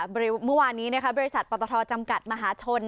เมื่อวานนี้นะครับบริษัทปฏฒจำกัดมหาชน